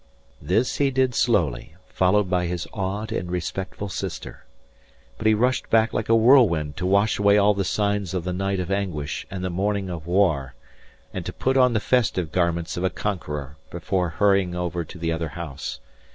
This he did slowly, followed by his awed and respectful sister. But he rushed back like a whirlwind to wash away all the signs of the night of anguish and the morning of war, and to put on the festive garments of a conqueror before hurrying over to the other house.